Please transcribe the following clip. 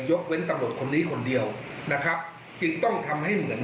ยกเว้นตำรวจคนนี้คนเดียวนะครับจึงต้องทำให้เหมือน